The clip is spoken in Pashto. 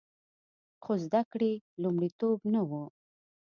خو زده کړې لومړیتوب نه و